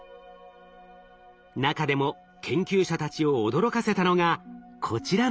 中でも研究者たちを驚かせたのがこちらの画像。